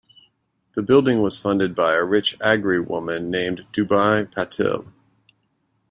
The building was funded by a rich Agri woman named Deubai Patil.